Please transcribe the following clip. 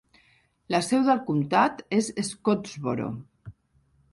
La seu del comtat és Scottsboro.